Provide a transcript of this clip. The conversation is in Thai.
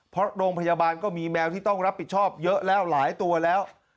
เพราะโรงพยาบาลก็มีแมวที่ต้องรับผิดชอบเยอะแล้วหลายตัวแล้ว